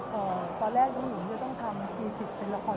พี่คิดว่าเข้างานทุกครั้งอยู่หรือเปล่า